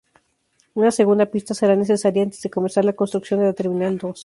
Una segunda pista será necesaria antes de comenzar la construcción de la terminal dos.